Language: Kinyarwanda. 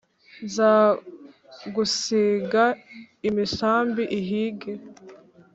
nzagusiga imisambi ihige